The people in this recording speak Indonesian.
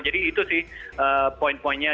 jadi itu sih poin poinnya